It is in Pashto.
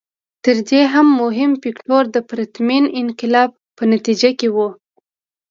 تر دې هم مهم فکټور د پرتمین انقلاب په نتیجه کې و.